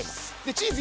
チーズ